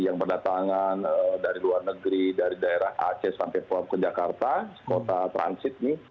yang berdatangan dari luar negeri dari daerah aceh sampai ke jakarta kota transit nih